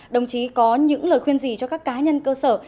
đồng chí có những lời khuyên gì cho các cá nhân cơ sở